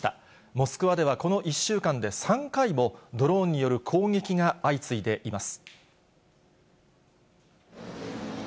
モスクワでは、この１週間で３回もドローンによる攻撃が相次いでいます。